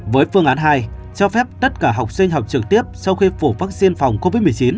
với phương án hai cho phép tất cả học sinh học trực tiếp sau khi phủ vaccine phòng covid một mươi chín